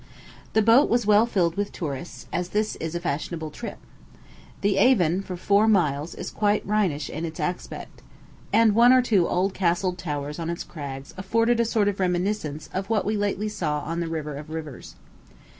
The boat was well filled with tourists, as this is a fashionable trip. The Avon for four miles is quite Rhenish in its aspect; and one or two old castled towers on its crags afford a sort of reminiscence of what we lately saw on the river of rivers.